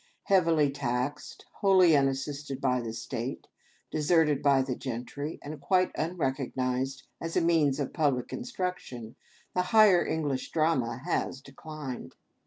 Heavily taxed, wholly unassisted by the state, deserted by the gentry, and quite unrecognized as a means of public instruction, the higher English Drama has declined.